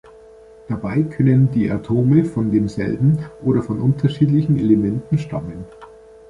Dabei können die Atome von demselben oder von unterschiedlichen Elementen stammen.